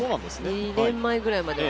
２年前ぐらいまでは。